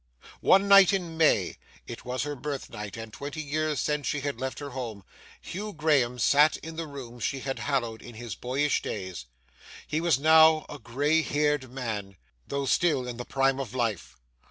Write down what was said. One night in May—it was her birthnight, and twenty years since she had left her home—Hugh Graham sat in the room she had hallowed in his boyish days. He was now a gray haired man, though still in the prime of life.